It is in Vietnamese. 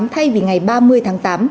thay vì ngày ba mươi tháng tám